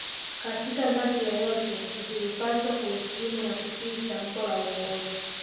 Katika ngazi yoyote zilipaswa kuheshimu na kutii tamko la uongozi